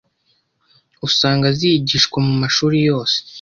usanga zigishwa mu mashuri yose